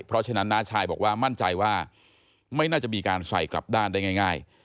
เพราะฉะนั้นน้าชายบอกว่ามั่นใจว่าไม่น่าจะมีการใส่กลับด้านได้ง่าย